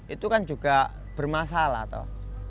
itu kan juga bermasalah